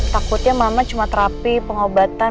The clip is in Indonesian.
takutnya mama cuma terapi pengobatan